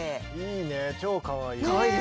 いいね超かわいい。